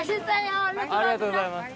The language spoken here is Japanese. ありがとうございます。